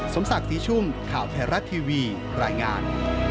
สมศักดิ์สิชุมข่าวแพร่รัฐทีวีรายงาน